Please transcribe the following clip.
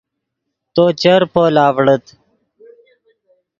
تو چر پول آڤڑیت